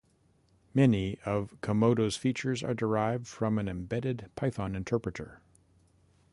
Many of Komodo's features are derived from an embedded Python interpreter.